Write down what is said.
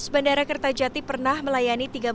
bandara kertajati pernah melayani